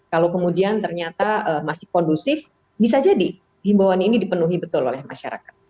kalau kemudian ternyata masih kondusif bisa jadi himbauan ini dipenuhi betul oleh masyarakat